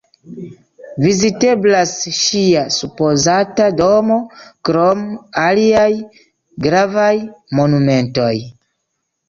Viziteblas ŝia supozata domo, krom aliaj gravaj monumentoj.